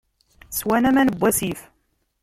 Swan aman n wasif.